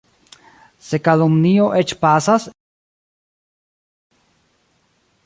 Se kalumnio eĉ pasas, ĝi ĉiam ion lasas.